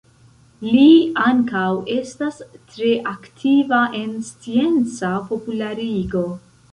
Li ankaŭ estas tre aktiva en scienca popularigo.